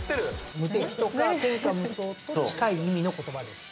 無敵とか天下無双と近い意味の言葉です。